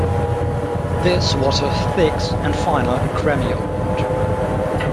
This was her sixth and final Grammy Award.